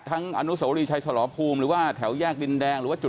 ทั้งอนุสวรีชายสลปกฑิลมีว่าแถวแยกดินแดงหรือว่าจุด